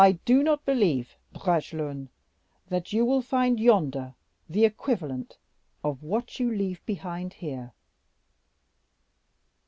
'" "I do not believe, Bragelonne, that you will find yonder the equivalent of what you leave behind you here."